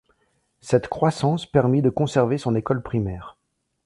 Cette croissance permit de conserver son école primaire.